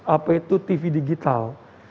apa itu tv digital